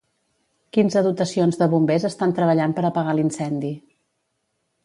Quinze dotacions de bombers estan treballant per apagar l'incendi.